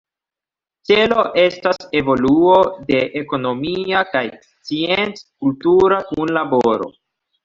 Celo estas evoluo de ekonomia kaj scienc-kultura kunlaboro.